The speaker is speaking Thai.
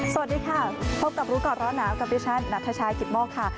สวัสดีค่ะพบกับรู้ก่อนร้อนหนาวกับดิฉันนัทชายกิตโมกค่ะ